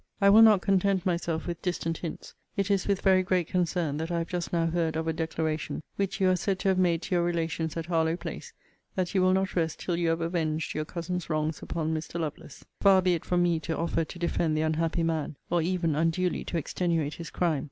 I will not content myself with distant hints. It is with very great concern that I have just now heard of a declaration which you are said to have made to your relations at Harlowe place, that you will not rest till you have avenged your cousin's wrongs upon Mr. Lovelace. Far be it from me to offer to defend the unhappy man, or even unduly to extenuate his crime!